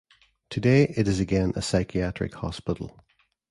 Today it is again a psychiatric hospital.